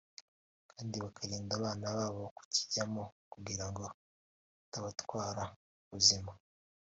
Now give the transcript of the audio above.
kandi bakarinda abana babo kukijyamo kugira ngo kitabatwara ubuzima”